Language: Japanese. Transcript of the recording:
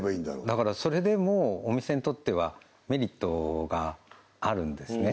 だからそれでもお店にとってはメリットがあるんですね